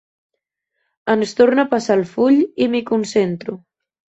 Ens torna a passar el full i m'hi concentro.